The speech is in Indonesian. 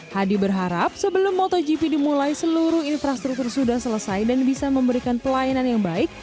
hadi berharap sebelum motogp dimulai seluruh infrastruktur sudah selesai dan bisa memberikan pelayanan yang baik